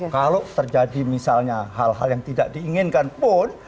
kalau terjadi misalnya hal hal yang tidak diinginkan pun